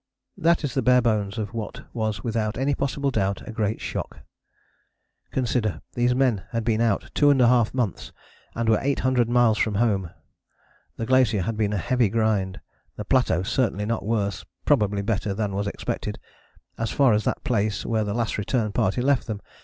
" That is the bare bones of what was without any possible doubt a great shock. Consider! These men had been out 2½ months and were 800 miles from home. The glacier had been a heavy grind: the plateau certainly not worse, probably better, than was expected, as far as that place where the Last Return Party left them.